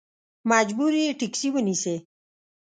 مجبور یې ټیکسي ونیسې.